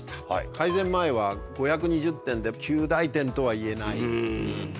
改善前は５２０点で及第点とはいえない点数。